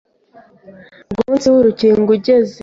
Ngo umunsi w’urukingo ugeze